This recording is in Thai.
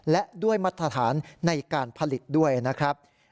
และด้วยมาตรฐานในการผลิตด้วยนะครับ